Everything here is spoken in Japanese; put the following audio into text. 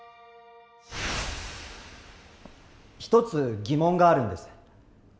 一つ疑問があるんです。